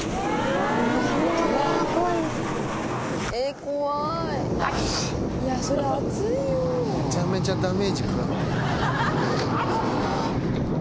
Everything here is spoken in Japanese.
えっ？